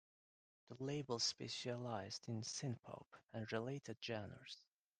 The label specialized in synthpop and related genres.